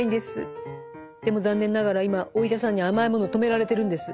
でも残念ながら今お医者さんに甘いものを止められてるんです。